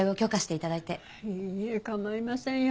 いいえ構いませんよ。